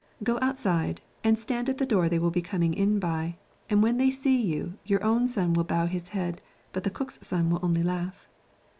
Go you outside, and stand at the door they will be coming in by, and when they see you, your own son will bow his head, but the cook's son will only laugh.'